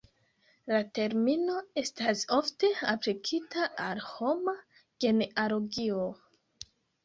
La termino estas ofte aplikita al homa genealogio.